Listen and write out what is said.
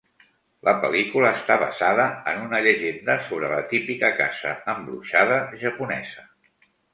La pel·lícula està basada en una llegenda sobre la típica casa embruixada japonesa.